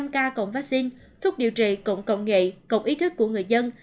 năm ca cộng vaccine thuốc điều trị cộng công nghệ cộng ý thức của người dân